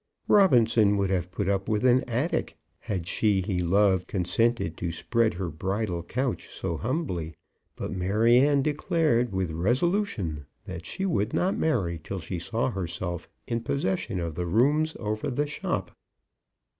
Robinson would have put up with an attic, had she he loved consented to spread her bridal couch so humbly; but Maryanne declared with resolution that she would not marry till she saw herself in possession of the rooms over the shop.